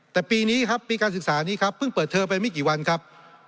แต่ปีนี้ครับปีการศึกษานี้ครับเพิ่งเปิดเทอมไปไม่กี่วันครับ